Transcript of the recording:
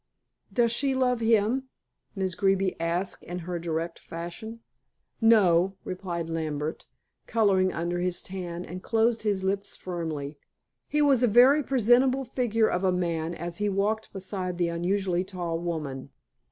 "Does she love him?" Miss Greeby asked in her direct fashion. "No," replied Lambert, coloring under his tan, and closed his lips firmly. He was a very presentable figure of a man, as he walked beside the unusually tall woman.